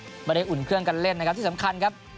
ไม่ได้อุ่นเครื่องกันเล่นนะครับที่สำคัญครับ